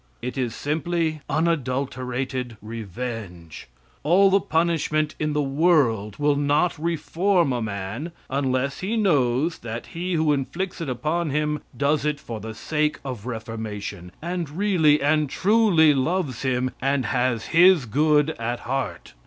It is simply unadulterated revenge. All the punishment in the world will not reform a man, unless he knows that he who inflicts it upon him does it for the sake of reformation, and really and truly loves him, and has his good at heart.